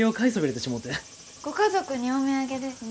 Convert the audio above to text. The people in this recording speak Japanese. ご家族にお土産ですね。